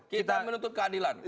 kita menuntut keadilan